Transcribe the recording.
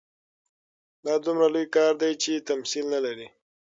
دا دومره لوی کار دی چې تمثیل نه لري.